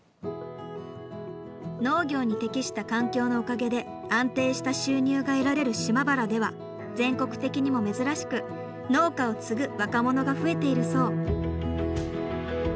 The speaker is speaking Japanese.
農業に適した環境のおかげで安定した収入が得られる島原では全国的にも珍しく農家を継ぐ若者が増えているそう。